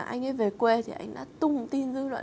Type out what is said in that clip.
anh ấy về quê thì anh đã tung tin dư luận